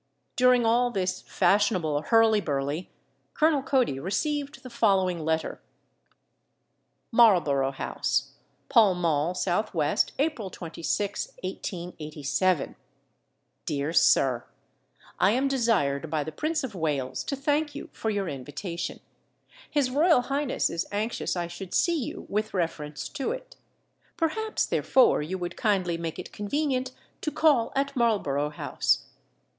During all this fashionable hurly burly Colonel Cody received the following letter: MARLBOROUGH HOUSE, PALL MALL, S. W., April 26, 1887. DEAR SIR: I am desired by the Prince of Wales to thank you for your invitation. His royal highness is anxious I should see you with reference to it. Perhaps, therefore, you would kindly make it convenient to call at Marlborough House.